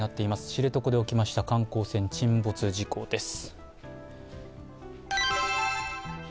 知床で起きました遊覧船陥没事故です。